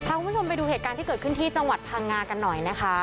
คุณผู้ชมไปดูเหตุการณ์ที่เกิดขึ้นที่จังหวัดพังงากันหน่อยนะคะ